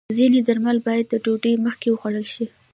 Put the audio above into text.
ځینې درمل باید د ډوډۍ مخکې وخوړل شي.